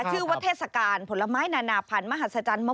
ชื่อวัทธิษการผลไม้นาหหนาพันธุ์มาหัศจรรยา